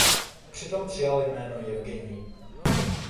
Přitom přijal jméno Jevgenij.